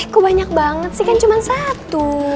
kok banyak banget sih kan cuma satu